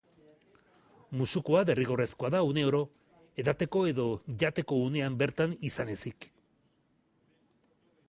Musukoa derrigorrezkoa da uneoro, edateko edo jateko unean bertan izan ezik.